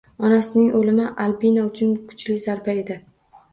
Onasining o'limi Albina uchun kuchli zarba edi